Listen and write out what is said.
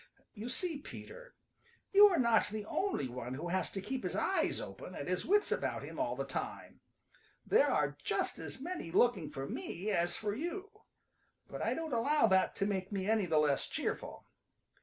You see, Peter, you are not the only one who has to keep his eyes open and his wits about him all the time. There are just as many looking for me as for you, but I don't allow that to make me any the less cheerful.